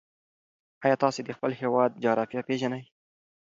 ایا تاسې د خپل هېواد جغرافیه پېژنئ؟